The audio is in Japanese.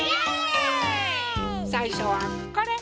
さいしょはこれ！